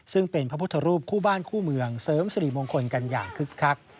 ซึ่งเป็นพระพุทธรูปคู่บ้านคู่เมืองเสริมสิริมงคลกันอย่างคึกคัก